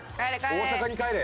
「大阪に帰れ！」。